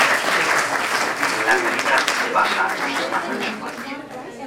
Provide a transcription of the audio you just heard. La calidad se basa en los estándares humanos.